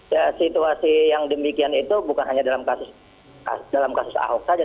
ya situasi yang demikian itu bukan hanya dalam kasus ahok saja